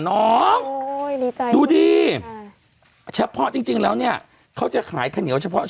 น้องโอ้ยดูดิเฉพาะจริงจริงแล้วเนี่ยเขาจะขายเข้าเฉพาะ